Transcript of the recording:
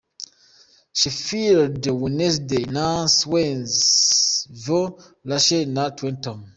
Sheffield Wednesday na Swansea v Rochdale na Tottenham.